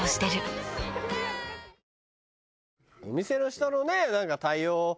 お店の人の対応